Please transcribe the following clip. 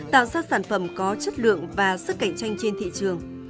tạo ra sản phẩm có chất lượng và sức cạnh tranh trên thị trường